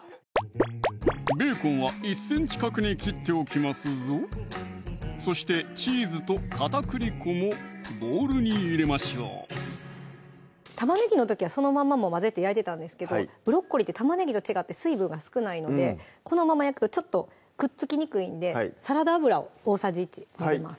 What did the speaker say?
ベーコンは１ｃｍ角に切っておきますぞそしてチーズと片栗粉もボウルに入れましょうたまねぎの時はそのまんまもう混ぜて焼いてたんですけどブロッコリーってたまねぎと違って水分が少ないのでこのまま焼くとちょっとくっつきにくいんでサラダ油を大さじ１混ぜます